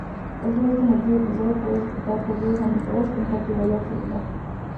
Es por este motivo que sólo puede disputar partidos amistosos en categoría absoluta.